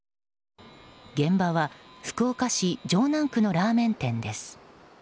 現場は福岡市城南区のラーメン店です。